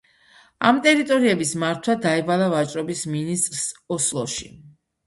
ამ ტერიტორიების მართვა დაევალა ვაჭრობის მინისტრს ოსლოში.